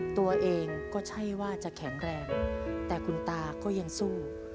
ตัวเองก็ใช่ว่าจะแข็งแรงแต่คุณตาก็ยังสู้